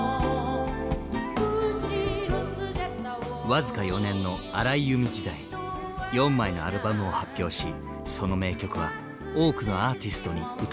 僅か４年の荒井由実時代４枚のアルバムを発表しその名曲は多くのアーティストに歌い継がれています。